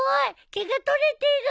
毛が取れてる！